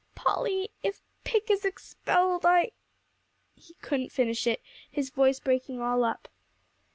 "Polly, if Pick is expelled, I " he couldn't finish it, his voice breaking all up.